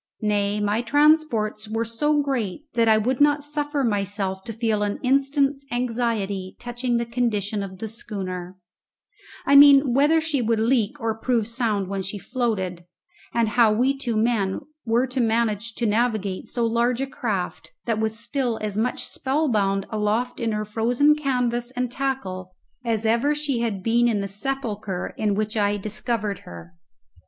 Nay, my transports were so great that I would not suffer myself to feel an instant's anxiety touching the condition of the schooner I mean whether she would leak or prove sound when she floated and how we two men were to manage to navigate so large a craft, that was still as much spellbound aloft in her frozen canvas and tackle as ever she had been in the sepulchre in which I discovered her.